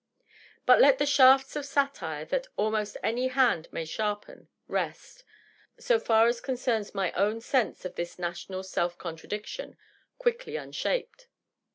But let the shafts of satire, that almost any hand may sharpen, rest, so far as concerns my own sense of this national self contradiction, quietly unshaped.